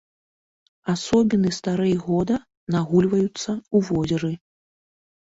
Асобіны старэй года нагульваюцца ў возеры.